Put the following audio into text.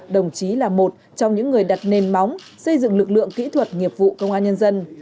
đồng chí là một trong những người đặt nền móng xây dựng lực lượng kỹ thuật nghiệp vụ công an nhân dân